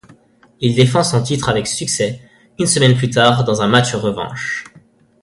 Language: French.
Il défend son titre avec succès une semaine plus tard dans un match revanche.